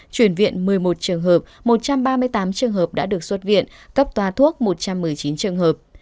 chuyển viện một mươi một trường hợp một trăm ba mươi tám trường hợp đã được xuất viện cấp toa thuốc một trăm một mươi chín trường hợp